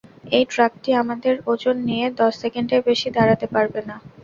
এই ট্রাকটি আমাদের ওজন নিয়ে দশ সেকেন্ডের বেশি দাঁড়াতে পারবে না।